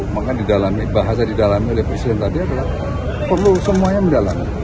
maka bahasa didalami oleh presiden tadi adalah perlu semuanya mendalam